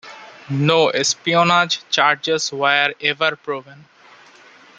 No espionage charges were ever proven.